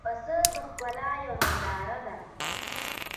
پسه د ښکلا یوه ننداره ده.